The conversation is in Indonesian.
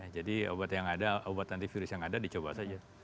jadi obat antivirus yang ada dicoba saja